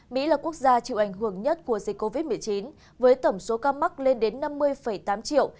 mỹ là quốc gia chịu ảnh hưởng nhất của dịch covid một mươi chín với tổng số ca mắc lên đến năm mươi tám triệu